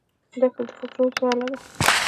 دښته د فکرو ځاله ده.